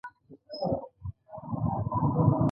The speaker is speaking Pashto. د نادعلي کانالونه ډیر دي